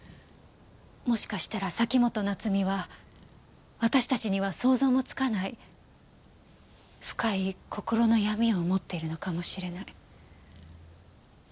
もしかしたら崎本菜津美は私たちには想像もつかない深い心の闇を持っているのかもしれない。